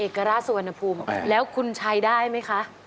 การราชสุวรรณภูมิแล้วคุณใช้ได้ไหมคะ